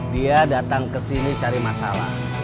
dia datang kesini cari masalah